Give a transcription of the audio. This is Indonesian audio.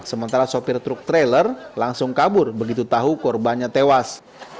sementara sopir truk trailer langsung kabur begitu tahu korbannya tewas